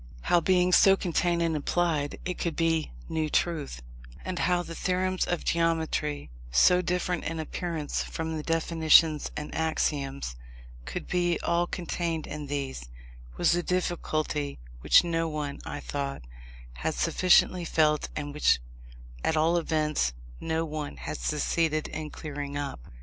How, being so contained and implied, it could be new truth, and how the theorems of geometry, so different in appearance from the definitions and axioms, could be all contained in these, was a difficulty which no, one, I thought, had sufficiently felt, and which, at all events, no one had succeeded in clearing up.